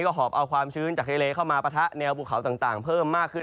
หอบเอาความชื้นจากทะเลเข้ามาปะทะแนวภูเขาต่างเพิ่มมากขึ้น